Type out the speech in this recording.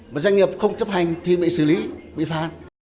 và doanh nghiệp không chấp hành thì bị xử lý bị phá